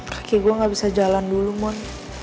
kaki gue gak bisa jalan dulu moon